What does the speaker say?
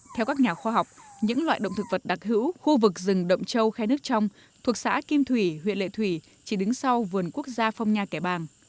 theo các nhà khoa học những loại động thực vật đặc hữu khu vực rừng động châu khe nước trong thuộc xã kim thủy huyện lệ thủy chỉ đứng sau vườn quốc gia phong nha kẻ bàng